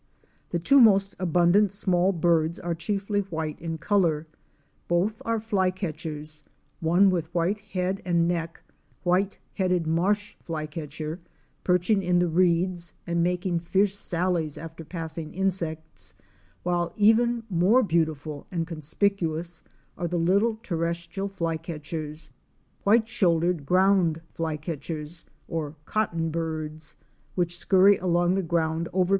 The two most abundant small birds are chiefly white in THE LAKE OF PITCH. 65 color. Both are Flycatchers, one with white head and neck — White headed Marsh Flycatcher *— perching in the reeds and making fierce sallies after passing insects, while even more beautiful and conspicuous are the little terrestrial Flycatchers — White shouldered Ground Flycatchers" or "Cotton Birds" — which scurry along the ground over AMAZON PARROT AT ENTRANCE OF NEST.